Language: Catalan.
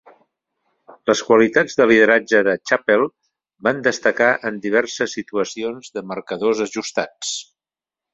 Les qualitats de lideratge de Chappell van destacar en diverses situacions de marcadors ajustats.